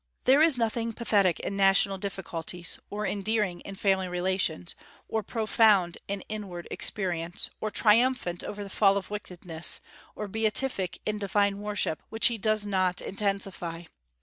There is nothing pathetic in national difficulties, or endearing in family relations, or profound in inward experience, or triumphant over the fall of wickedness, or beatific in divine worship, which he does not intensify.